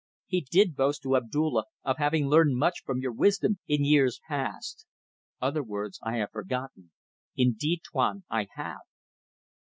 He did boast to Abdulla of having learned much from your wisdom in years past. Other words I have forgotten. Indeed, Tuan, I have